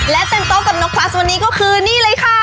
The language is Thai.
และเต็มโต๊ะกับนกพลัสวันนี้ก็คือนี่เลยค่ะ